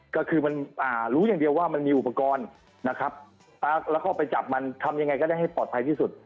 ก็คือมันรู้อย่างเดียวว่ามันมีอุปกรณ์นะครับแล้วก็ไปจับมันทำยังไงก็ได้ให้ปลอดภัยที่สุด